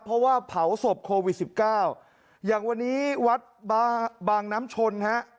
เพราะว่าเผาศพโควิดสิบเก้าอย่างวันนี้วัดบางน้ำชนฮะ